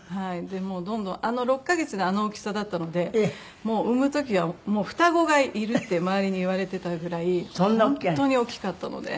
もうどんどんあの６カ月であの大きさだったのでもう産む時は双子がいるって周りに言われてたぐらい本当に大きかったので。